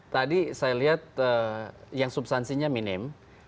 tadi saya lihat yang substansinya minim